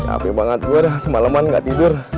oke banget gue dah semaleman nggak tidur